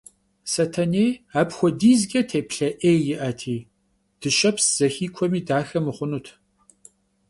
Setenêy apxuedizç'e têplhe 'êy yi'eti dışeps zexikuemi daxe mıxhunut.